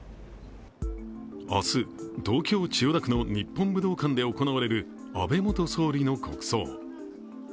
明日、東京・千代田区の日本武道館で行われる安倍元総理の国葬。